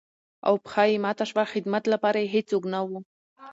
او پښه يې ماته شوه ،خدمت لپاره يې هېڅوک نه وو.